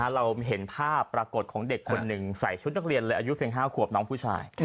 เราเห็นภาพปรากฏของเด็กคนหนึ่งใส่ชุดนักเรียนเลยอายุเพียง๕ขวบน้องผู้ชาย